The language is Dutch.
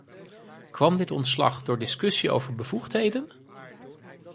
Kwam dit ontslag door discussie over bevoegdheden?